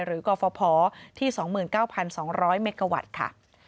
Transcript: หรือกรฟภที่๒๙๒๐๐เมกะวัตต์ค่ะ